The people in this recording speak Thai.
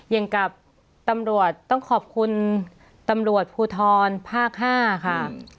อย่างกับตำรวจต้องขอบคุณตำรวจภูทรภาค๕ค่ะ